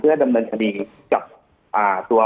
จนถึงปัจจุบันมีการมารายงานตัว